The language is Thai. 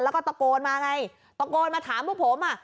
แล้วก็ตะโกนมาไงตะโกนมาถามพวกผมอ่ะ